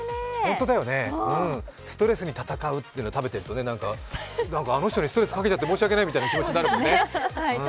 ストレスに戦うっていうのを食べてるとあの人のストレスかけちゃって申し訳ないって気持ちになるもんね。